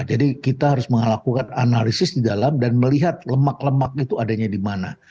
jadi kita harus melakukan analisis di dalam dan melihat lemak lemak itu adanya di mana